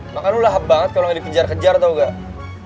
makan lo lahap banget kayak orang yang dikejar kejar tau gak